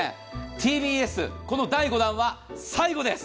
ＴＢＳ、この第５弾は最後です。